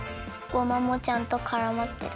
ごまもちゃんとからまってる。